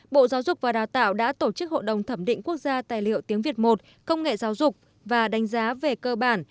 bộ giáo dục và đào tạo đã tổ chức hội đồng thẩm định quốc gia tài liệu tiếng việt một công nghệ giáo dục và đánh giá về cơ bản